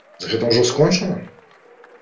З гэтым ужо скончана!